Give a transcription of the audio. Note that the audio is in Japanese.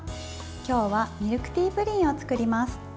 今日はミルクティープリンを作ります。